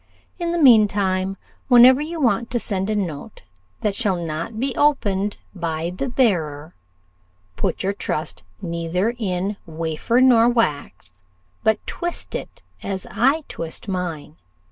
In the mean time, whenever you want to send a note that shall not be opened by the bearer, put your trust neither in wafer nor wax, but twist it as I twist mine.